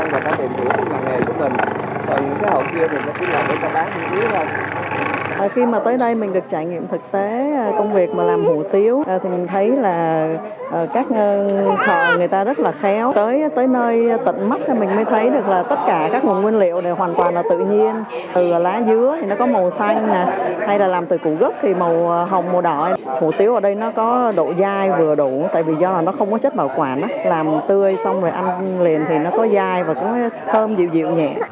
làm tươi xong rồi ăn liền thì nó có dai và có thơm dịu dịu nhẹ